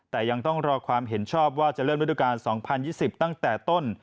แต่ยังต้องรอความเห็นชอบว่าจะเริ่มรวดการณ์สองพันยี่สิบตั้งแต่ต้น